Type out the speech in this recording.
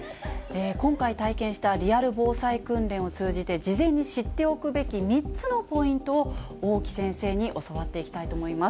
今回、体験したリアル防災訓練を通じて、事前に知っておくべき３つのポイントを大木先生に教わっていきたいと思います。